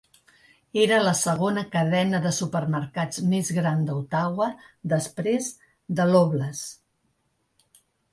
Era la segona cadena de supermercats més gran d'Ottawa, després de Loblaws.